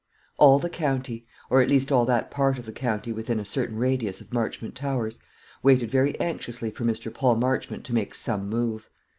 All the county, or at least all that part of the county within a certain radius of Marchmont Towers, waited very anxiously for Mr. Paul Marchmont to make some move.